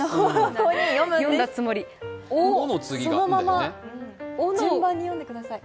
そのまま順番に読んでください。